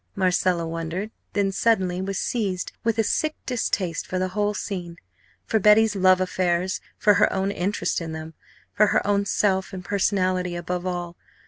Marcella wondered, then suddenly was seized with a sick distaste for the whole scene for Betty's love affairs for her own interest in them for her own self and personality above all.